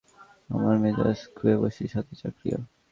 আমার মেজাজ খুইয়ে বসি, সাথে চাকরিও?